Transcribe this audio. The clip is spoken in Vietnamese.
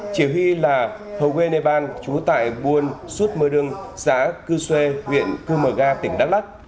chỉ huy là thuê nê ban trú tại buôn xuất mơ đưng xã cư xê huyện cư mờ ga tỉnh đắk lắc